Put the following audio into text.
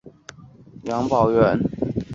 有子杨葆元。